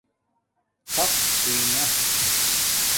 ݼق ہوئئ نہ